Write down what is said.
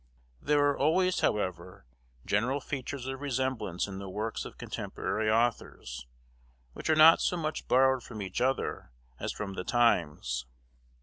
There are always, however, general features of resemblance in the works of contemporary authors, which are not so much borrowed from each other as from the times.